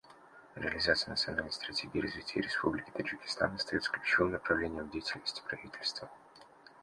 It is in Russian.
Реализация национальной стратегии развития Республики Таджикистан остается ключевым направлением в деятельности правительства.